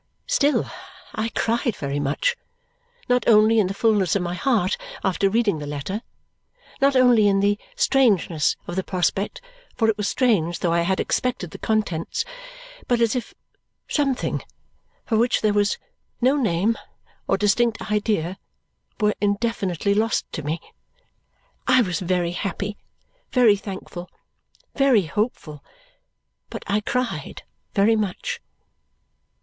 Still I cried very much, not only in the fullness of my heart after reading the letter, not only in the strangeness of the prospect for it was strange though I had expected the contents but as if something for which there was no name or distinct idea were indefinitely lost to me. I was very happy, very thankful, very hopeful; but I cried very much.